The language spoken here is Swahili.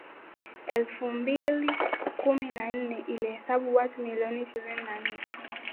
elfu mbili kumi na nne ilihesabu watu milioni ishirini na nne